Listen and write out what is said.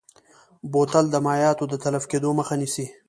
بوتل د مایعاتو د تلف کیدو مخه نیسي.